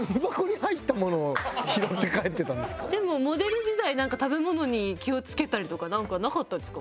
でもモデル時代なんか食べ物に気をつけたりとかなんかなかったんですか？